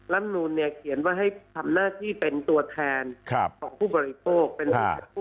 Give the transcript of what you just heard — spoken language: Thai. ลัมนูนเขียนว่าให้ทำหน้าที่เป็นตัวแทนของผู้บริโภค